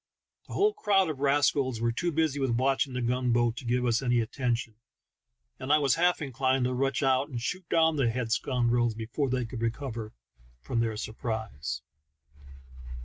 The whole crowd of rascals were too busy with watching the gun boat to give us any atten tion, and I was half inclined to rush out and shoot down the head scoundrels before they could recover from their surprise.